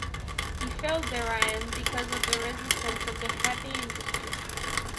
He failed therein because of the resistance of the Heavy industry.